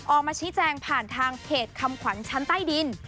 ออกมาชี้แจงผ่านทางเพจคำขวัญชั้นใต้ดิน